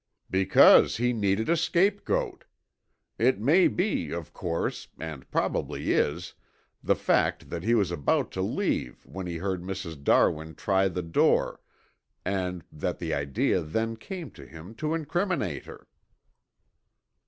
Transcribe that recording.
"Because he needed a scapegoat. It may be, of course, and probably is, the fact that he was about to leave when he heard Mrs. Darwin try the door, and that the idea then came to him to incriminate her."